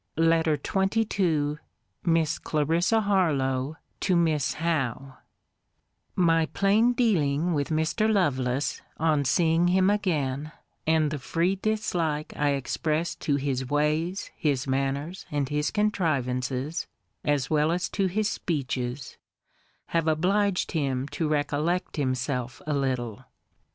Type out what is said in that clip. LETTER XXII MISS CLARISSA HARLOWE, TO MISS HOWE My plain dealing with Mr. Lovelace, on seeing him again, and the free dislike I expressed to his ways, his manners, and his contrivances, as well as to his speeches, have obliged him to recollect himself a little.